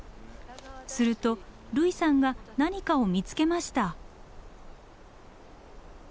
すると類さんが何かを見つけました。